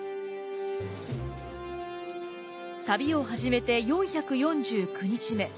旅を始めて４４９日目。